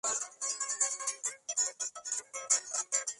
Sus primeras participaciones fueron eventos locales.